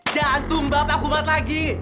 jangan tumbah takumat lagi